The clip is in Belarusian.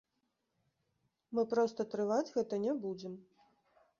Мы проста трываць гэта не будзем.